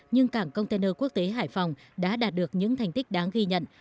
nhưng cảng container quốc tế hải phòng đã đạt được những thành tích đáng ghi nhận